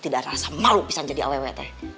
gak rasa malu bisa jadi awet awet deh